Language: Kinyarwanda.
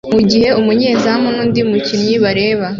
mugihe umunyezamu nundi mukinnyi bareba